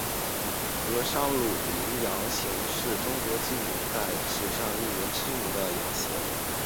德商鲁麟洋行是中国近代史上一家知名的洋行。